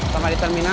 sama di terminal